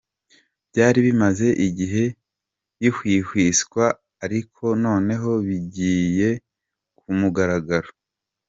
Byari bimaze igihe bihwihwiswa ariko noneho bigeye kumugaragaro.